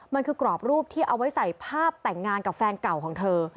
มันคือกรอบรูปที่เอาไว้ใส่ภาพแต่งงานกับแฟนเก่าของเธอ